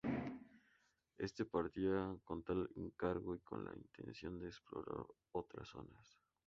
Este partía con tal encargo y con la intención de explorar otras zonas.